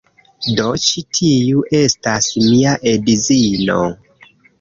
Do, ĉi tiu estas mia edzino.